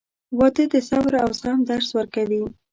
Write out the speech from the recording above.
• واده د صبر او زغم درس ورکوي.